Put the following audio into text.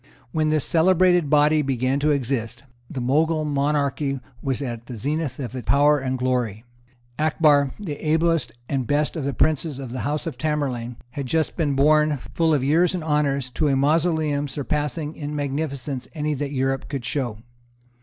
When this celebrated body began to exist, the Mogul monarchy was at the zenith of power and glory. Akbar, the ablest and best of the princes of the House of Tamerlane, had just been borne, full of years and honours, to a mausoleum surpassing in magnificence any that Europe could show.